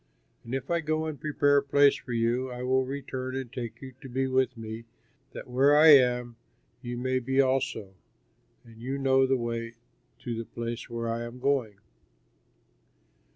And if I go and prepare a place for you, I will return and take you to be with me that where I am, you may be also; and you know the way to the place where I am going."